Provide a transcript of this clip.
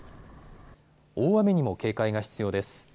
大雨にも警戒が必要です。